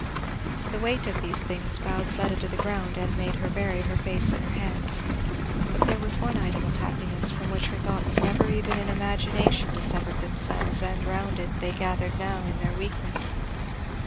The weight of these things bowed Fleda to the ground and made her bury her face in her hands. But there was one item of happiness from which her thoughts never even in imagination dissevered themselves, and round it they gathered now in their weakness.